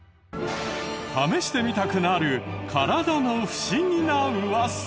試してみたくなる体の不思議なウワサ。